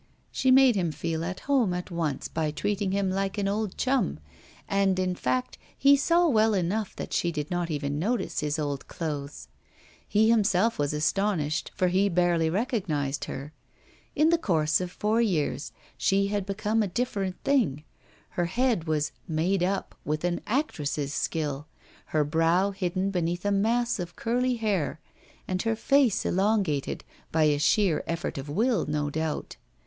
She made him feel at home at once by treating him like an old chum, and, in fact, he saw well enough that she did not even notice his old clothes. He himself was astonished, for he barely recognised her. In the course of four years she had become a different being; her head was 'made up' with all an actress's skill, her brow hidden beneath a mass of curly hair, and her face elongated, by a sheer effort of will, no doubt.